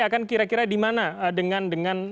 akan kira kira di mana dengan